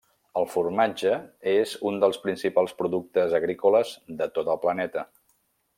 El formatge és un dels principals productes agrícoles de tot el planeta.